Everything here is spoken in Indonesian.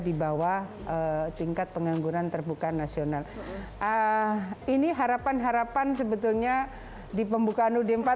dibawah tingkat pengangguran terbuka nasional ah ini harapan harapan sebetulnya di pembukaan ud empat puluh lima